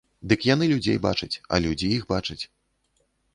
Дык яны людзей бачаць, а людзі іх бачаць.